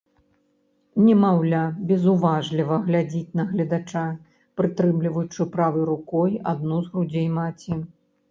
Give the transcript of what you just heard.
Немаўля безуважліва глядзіць на гледача, прытрымліваючы правай рукой адну з грудзей маці.